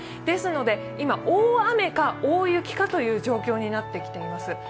ですので今、大雨か大雪かという状況になってきています。